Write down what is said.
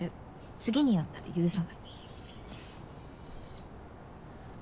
次にやったら許さない。